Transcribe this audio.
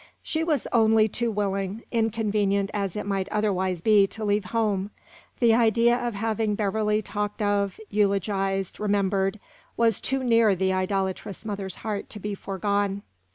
She was only too willing. Inconvenient as it might otherwise be to leave home, the idea of having Beverley talked of, eulogized, remembered, was too near the idolatrous mother's heart to be foregone.